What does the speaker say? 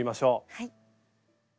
はい。